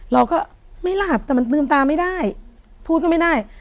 เราก็ไม่หลับแต่มันลืมตาไม่ได้พูดก็ไม่ได้